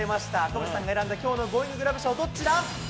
赤星さんが選んだ、きょうのゴーインググラブ賞、どっちだ？